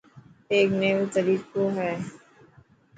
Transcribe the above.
هيڪ نيوو تريقو هي.